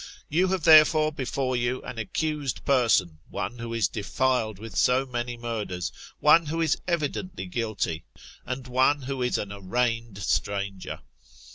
You have therefore before you an accused person, one who is defiled with so many murders, one who is evidently guilty, and one who is an arraigned stranger.